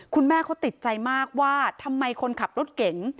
คุณแม่เขาติดใจมากว่าทำไมคนขับรถเก่ง